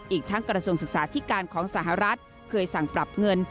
อีกทั้งกระทรวงศึกษาธิการของสหรัฐเคยสั่งปรับเงิน